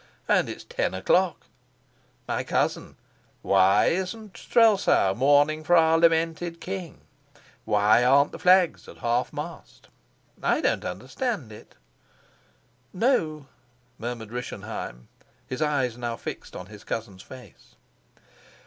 And it's ten o'clock. My cousin, why isn't Strelsau mourning for our lamented king? Why aren't the flags at half mast? I don't understand it." "No," murmured Rischenheim, his eyes now fixed on his cousin's face.